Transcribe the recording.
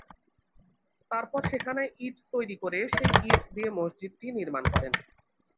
তারপর সেখানে ইট তৈরি করে সেই ইট দিয়ে মসজিদটি নির্মাণ করেন।